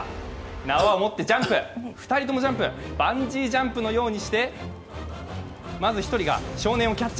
縄を持ってジャンプ、２人ともジャンプバンジージャンプのようにしてまず１人が少年をキャッチ。